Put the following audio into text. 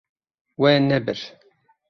We nebir.